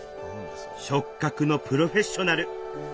触覚のプロフェッショナル。